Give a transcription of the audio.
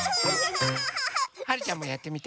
はるちゃんもやってみて。